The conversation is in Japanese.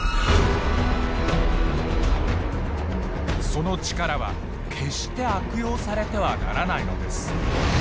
その力は決して悪用されてはならないのです。